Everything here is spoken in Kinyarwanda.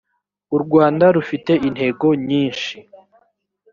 u rwanda rufite intego nyishi.